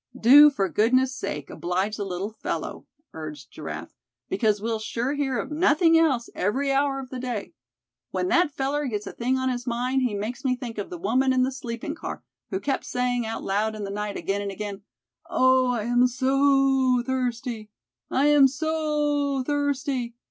"Do for goodness' sake oblige the little fellow," urged Giraffe. "Because we'll sure hear of nothing else every hour of the day. When that feller gets a thing on his mind he makes me think of the woman in the sleeping car, who kept saying out loud in the night, again and again; 'Oh! I am so thirsty; I am so thirsty!